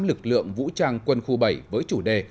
lực lượng vũ trang quân khu bảy với chủ đề